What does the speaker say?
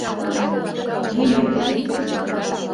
— Йӱын...